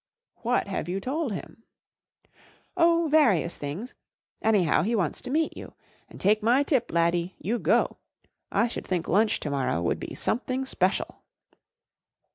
" W hat have you told him ?" "Oh, vari¬ ous things. Anyhow, he wants to meet you. And take my tip, laddie—you go ! I should think lunch to morrow would be something special."